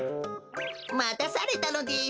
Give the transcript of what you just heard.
またされたのです。